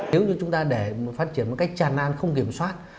nếu như chúng ta để phát triển một cách tràn nan không kiểm soát